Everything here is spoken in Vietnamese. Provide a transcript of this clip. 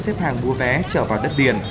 xếp hàng mua vé trở vào đất điền